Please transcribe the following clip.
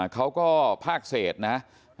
เขาก็พากเศษนะ